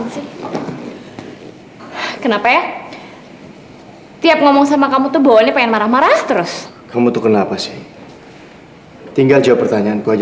sampai jumpa di video selanjutnya